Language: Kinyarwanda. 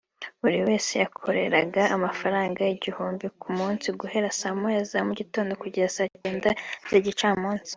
buri wese yakoreraga amafaranga igihumbi ku munsi guhera saa moya za mugitondo kugeza saa cyenda z’igicamunsi